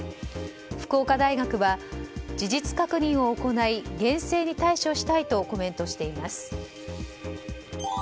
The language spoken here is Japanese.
福岡大学は、事実確認を行い厳正に対処したいとコメントしています。